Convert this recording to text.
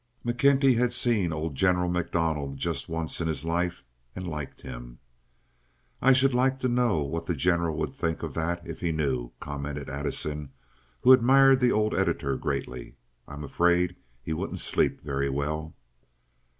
McKenty had seen old General MacDonald just once in his life, and liked him. "I should like to know what the General would think of that if he knew," commented Addison, who admired the old editor greatly. "I'm afraid he wouldn't sleep very well."